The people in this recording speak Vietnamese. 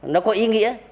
nó có ý nghĩa